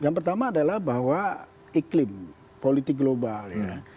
yang pertama adalah bahwa iklim politik global ya